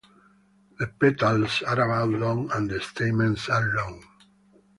The petals are about long and the stamens are long.